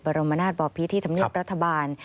รมนาศบอพิที่ธรรมเนียบรัฐบาล